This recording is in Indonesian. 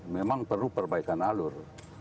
memang perlu perbaikan alur